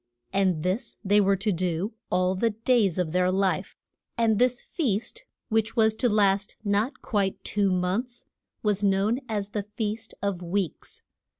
And this they were to do all the days of their life. And this feast, which was to last not quite two months, was known as the Feast of the Weeks.